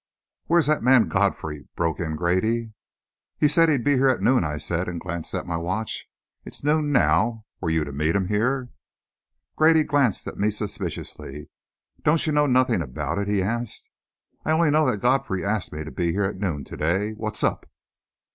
"Where's that man Godfrey?" broke in Grady. "He said he'd be here at noon," I said, and glanced at my watch. "It's noon now. Were you to meet him here?" Grady glanced at me suspiciously. "Don't you know nothing about it?" he asked. "I only know that Godfrey asked me to be here at noon to day. What's up?"